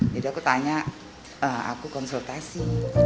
jadi aku tanya aku konsultasi